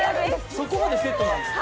そこまでセットなんですか。